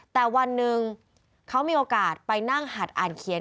แต่วันหนึ่งเขามีโอกาสไปนั่งหัดอ่านเขียน